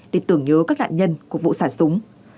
để tưởng nhớ các nạn nhân của vụ xả súng